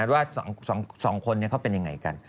ว่า๒คนเขาเป็นยังไงกัน